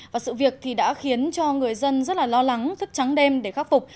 và sự việc thì đã khiến cho người dân rất là lo lắng thức trắng đêm để khắc phục